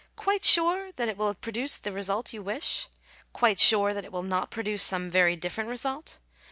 quite sure that it will produce the result you wish ? quite sure that it will not produce some very different result?